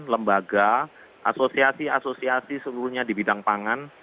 lembaga asosiasi asosiasi seluruhnya di bidang pangan